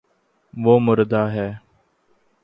وہ مردا ہے